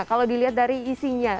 kalau dilihat dari isinya